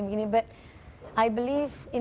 tapi saya percaya pada apa yang anda lakukan